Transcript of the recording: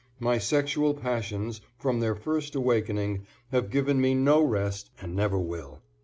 My sexual passions, from their first awakening, have given me no rest and never will.